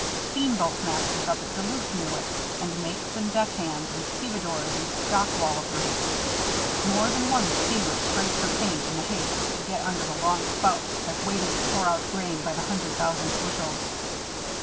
Steamboat masters up at Duluth knew it, and mates and deck hands and stevedores and dockwallopers more than one steamer scraped her paint in the haste to get under the long spouts that waited to pour out grain by the hundred thousand bushels.